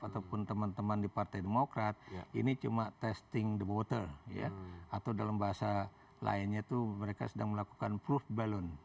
ataupun teman teman di partai demokrat ini cuma testing the water atau dalam bahasa lainnya itu mereka sedang melakukan proof balance